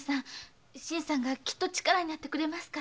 新さんならきっと力になってくれますから。